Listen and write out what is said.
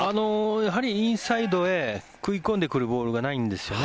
やはりインサイドへ食い込んでくるボールがないんですよね。